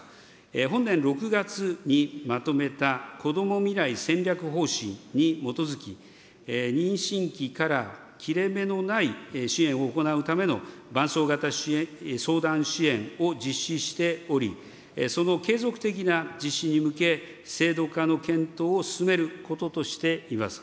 本年６月にまとめたこども未来戦略方針に基づき、妊娠期から切れ目のない支援を行うための伴走型相談支援を実施しており、その継続的な実施に向け、制度化の検討を進めることとしております。